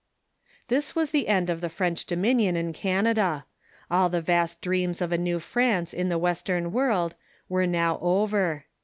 This was the end of French dominion in Canada. All the vast dreams of a New France in the western world were now over.